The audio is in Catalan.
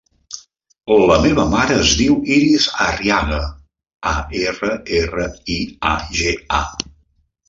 La meva mare es diu Iris Arriaga: a, erra, erra, i, a, ge, a.